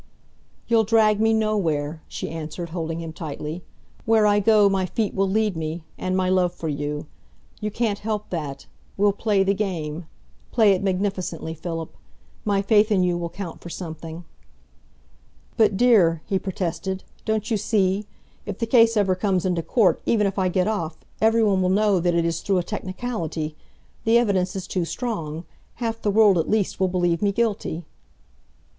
"You'll drag me nowhere," she answered, holding him tightly. "Where I go my feet will lead me, and my love for you. You can't help that. We'll play the game play it magnificently, Philip. My faith in you will count for something." "But, dear," he protested, "don't you see? If the case ever comes into court, even if I get off, every one will know that it is through a technicality. The evidence is too strong. Half the world at least will believe me guilty."